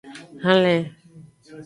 Hlen.